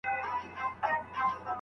ميرمن بايد له چا سره سفر وکړي؟